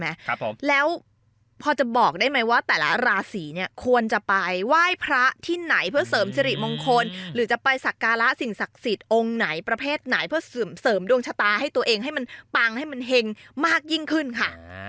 ครับผมแล้วพอจะบอกได้ไหมว่าแต่ละราศีเนี่ยควรจะไปไหว้พระที่ไหนเพื่อเสริมสิริมงคลหรือจะไปสักการะสิ่งศักดิ์สิทธิ์องค์ไหนประเภทไหนเพื่อเสริมดวงชะตาให้ตัวเองให้มันปังให้มันเห็งมากยิ่งขึ้นค่ะ